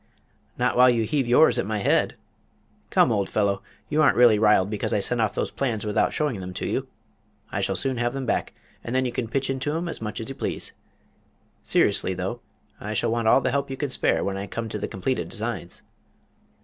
"Not while you heave yours at my head! Come, old fellow, you aren't really riled because I sent off those plans without showing them to you? I shall soon have them back, and then you can pitch into 'em as much as you please. Seriously, though, I shall want all the help you can spare when I come to the completed designs."